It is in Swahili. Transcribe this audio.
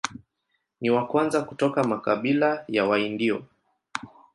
Ni wa kwanza kutoka makabila ya Waindio.